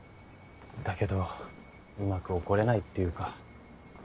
だけどうまく怒れないっていうか。